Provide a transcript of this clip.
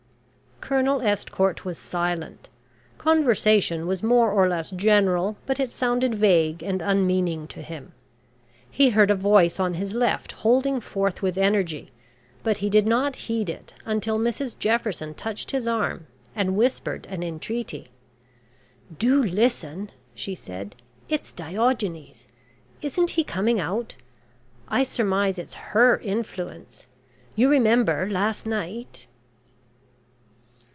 Colonel Estcourt was silent. Conversation was more or less general, but it sounded vague and unmeaning to him. He heard a voice on his left holding forth with energy, but he did not heed it until Mrs Jefferson touched his arm and whispered an entreaty. "Do listen," she said, "it's Diogenes. Isn't he coming out? I surmise it's her influence. You remember last night?"